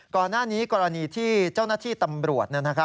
ก่อนหน้านี้กรณีที่เจ้าหน้าที่ตำรวจ